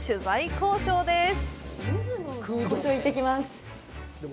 交渉、行ってきます。